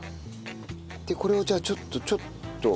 でこれをじゃあちょっとちょっと。